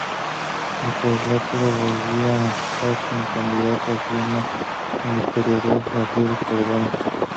El "Cuadrilátero" volvía a estar sin candidato…", afirma el historiador Gabriel Cardona.